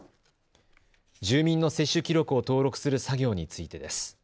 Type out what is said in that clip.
住民の接種記録を登録する作業についてです。